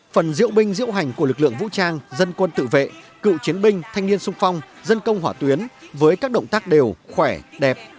phần diễu binh diễu hành của lực lượng vũ trang dân quân tự vệ cựu chiến binh thanh niên sung phong dân công hỏa tuyến với các động tác đều khỏe đẹp